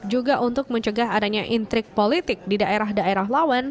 juga untuk mencegah adanya intrik politik di daerah daerah lawan